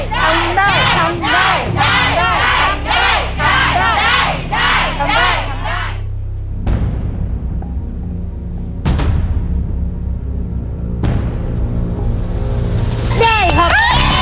ได้ครับ